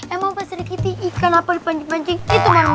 emang peseri kitty ikan apa dipancing pancing itu maksud